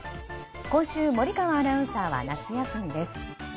今週、森川アナウンサーは夏休みです。